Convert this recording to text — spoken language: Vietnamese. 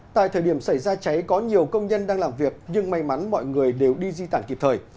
tại thời điểm xảy ra cháy có nhiều công nhân đang làm việc nhưng may mắn mọi người đều đi di tản kịp thời